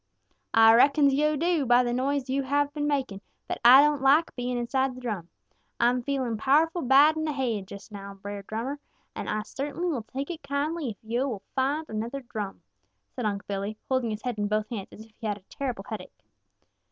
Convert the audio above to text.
"Ah reckons yo' do by the noise yo' have been making, but Ah don't like being inside the drum. Ah'm feelin' powerful bad in the haid just now, Brer Drummer, and Ah cert'nly will take it kindly if yo' will find another drum," said Unc' Billy, holding his head in both hands as if he had a terrible headache.